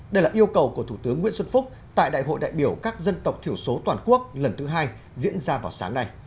đây là yêu cầu của thủ tướng nguyễn xuân phúc tại đại hội đại biểu các dân tộc thiểu số toàn quốc lần thứ hai diễn ra vào sáng nay